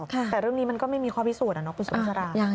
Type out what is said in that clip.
แต่เรื่องนี้มันก็ไม่มีข้อพิสูจนคุณสุภาษา